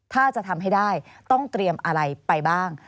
ถ้าจะทำให้ได้ต้องเตรียมอะไรไปบ้าง